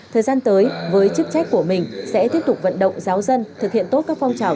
thời gian tới với chức trách của mình sẽ tiếp tục vận động giáo dân thực hiện tốt các phong trào